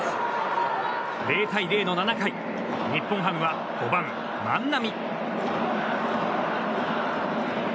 ０対０の７回日本ハムは５番、万波。